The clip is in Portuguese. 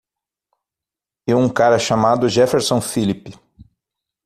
E um cara chamado Jefferson Phillip.